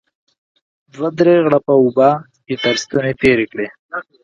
دوه درې غوړپه اوبه يې تر ستوني تېرې کړې.